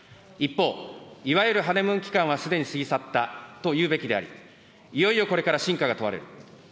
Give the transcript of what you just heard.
一方、いわゆるハネムーン期間はすでに過ぎ去ったと言うべきであり、いよいよこれから真価が問われる。